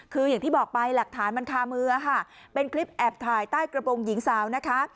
คืออย่างที่บอกไปหลักฐานมันคามือค่ะเป็นคลิปแอบถ่ายใต้กระโปรงหญิงสาวนะคะ